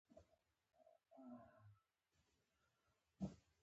غزني د افغانستان د ځانګړي ډول جغرافیې استازیتوب په ښه توګه کوي.